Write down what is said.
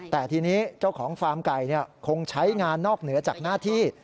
แต่ทีนี้เจ้าของฟาร์มไก่คงใช้งานนอกเหนือจากหน้าที่